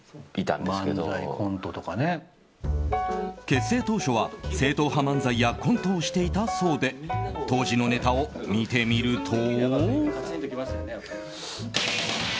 結成当初は、正統派漫才やコントをしていたそうで当時のネタを見てみると。